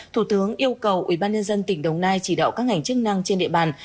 thủ tướng yêu cầu ubnd tỉnh đồng nai chỉ đạo các ngành chức năng trên địa bàn